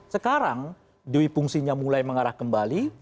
sekarang dui fungsinya mulai mengarah kembali